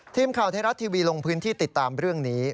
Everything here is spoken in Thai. ทีมข่าวไทยรัฐทีวีลงพื้นที่ติดตามเรื่องนี้